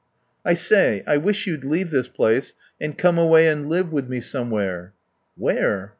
"... I say, I wish you'd leave this place and come away and live with me somewhere." "Where?"